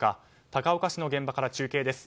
高岡市の現場から中継です。